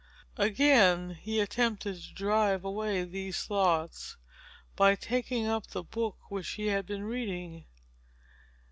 Again, he attempted to drive away these thoughts, by taking up the book which he had been reading.